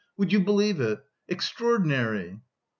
Would you believe it! Extraordinary!"